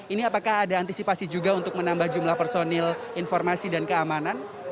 ini apakah ada antisipasi juga untuk menambah jumlah personil informasi dan keamanan